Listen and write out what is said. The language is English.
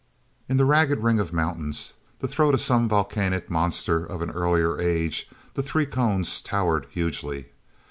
n the ragged ring of mountains, the throat of some volcanic monster of an earlier age, the three cones towered hugely.